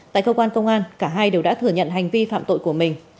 tại cơ quan công an cả hai đều đã thừa nhận hành vi phạm tội của mình